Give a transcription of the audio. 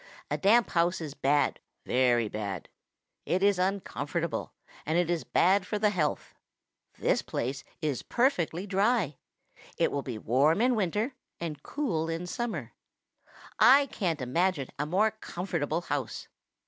A damp house is bad, very bad. It is uncomfortable, and it is bad for the health. This place is perfectly dry. It will be warm in winter and cool in summer. I can't imagine a more comfortable house.